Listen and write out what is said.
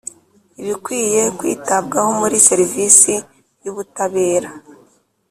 Ibikwiye kwitabwaho muri serivisi y ubutabera